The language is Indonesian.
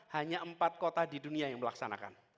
hanya empat kota di dunia yang melaksanakan